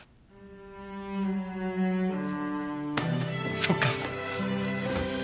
そっか。